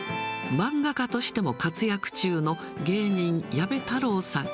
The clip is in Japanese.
漫画家としても活躍中の芸人、矢部太郎さん。